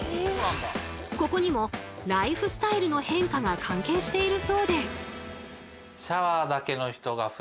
ここにもライフスタイルの変化が関係しているそうで。